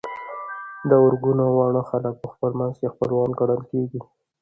د ارګون او واڼه خلک خپل منځ کي خپلوان ګڼل کيږي